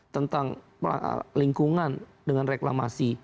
tentang lingkungan dengan reklamasi